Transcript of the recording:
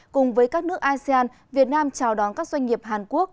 cùng với các nước asean việt nam chào đón các doanh nghiệp hàn quốc